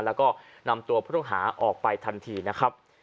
แล้วก็นำตัวผู้ต้องหาออกไปทันทีนะครับ